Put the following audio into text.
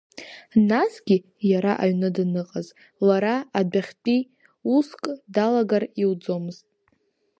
Насгьы, иара аҩны даныҟаз, лара адәахьтәи уск далагар иуӡомызт.